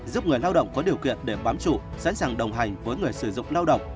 giúp người lao động có điều kiện để bám trụ sẵn sàng đồng hành với người sử dụng lao động